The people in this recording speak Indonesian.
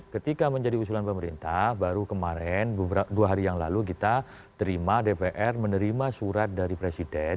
ketika menjadi usulan pemerintah baru kemarin dua hari yang lalu kita terima dpr menerima surat dari presiden